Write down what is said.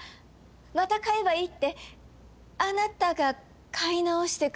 また買えばいいってあなたが買い直してくれるのよね？